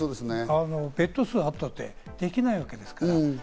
ベッド数があったって、できないわけですから。